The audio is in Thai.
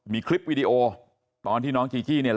มีคลิปวิดีโอตอนที่น้องจีจี้เนี่ย